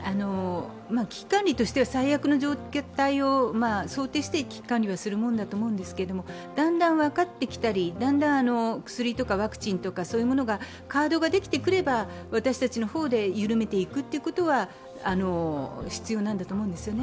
危機管理としては最悪の状態を想定してするものだと思うんですけどだんだん分かってきたり、だんだん薬とかワクチンとか、カードができてくれば、私たちの方で緩めていくということは必要なんだと思うんですよね。